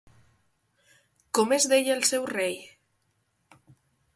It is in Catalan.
Com es deia el seu rei?